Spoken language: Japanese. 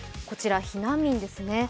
こちら避難民ですね。